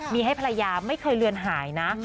มีให้ภรรยาไม่เคยเลือนหายนะ